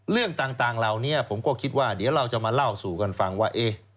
เรื่องต่างเหล่านี้ผมก็คิดว่าเดี๋ยวเราจะมาเล่าสู่กันฟังว่า